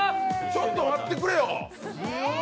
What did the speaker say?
ちょっと待ってくれよ！！